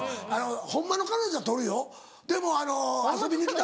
ホンマの彼女は撮るよでも遊びに来た子。